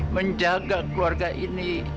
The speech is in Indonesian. menjaga keluarga ini